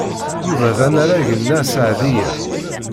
Yuba d anarag n Nna Seɛdiya.